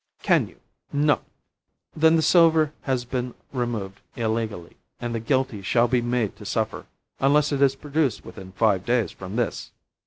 Can you? No. Then the silver has been removed illegally, and the guilty shall be made to suffer, unless it is produced within five days from this."